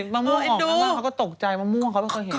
มะม่วงออกมากเขาก็ตกใจมะม่วงเขาก็เห็น